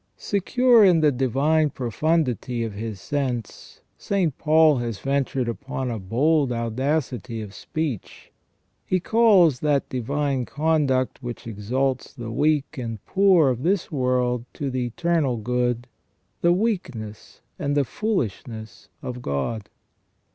Secure in the divine profundity of his sense, St. Paul has ventured upon a bold audacity of speech. He calls that divine conduct which exalts the weak and poor of this world to the Eternal Good the " weakness " and the " foolishness " of God.